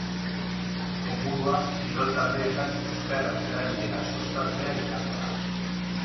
Helburua, kirol taldeetan euskararen erabilera sustatzea izango da.